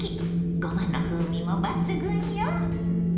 ごまの風味も抜群よ！